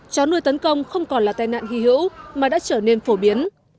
chó nuôi tấn công không còn là tai nạn hy hữu mà đã trở nên phổ biến